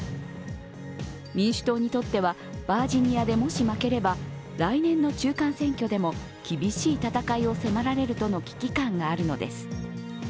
民主党にとってはバージニアでもし負ければ来年の中間選挙でも厳しい戦いを迫られるとの危機感があるのです。